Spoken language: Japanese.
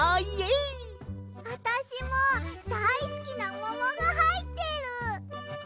あたしもだいすきなももがはいってる！